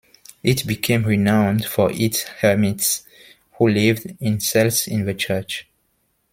It became renowned for its hermits, who lived in cells in the church.